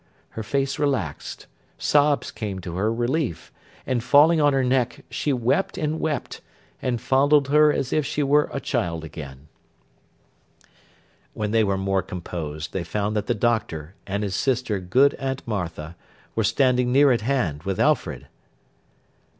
Her face relaxed: sobs came to her relief; and falling on her neck, she wept and wept, and fondled her as if she were a child again. When they were more composed, they found that the Doctor, and his sister good Aunt Martha, were standing near at hand, with Alfred.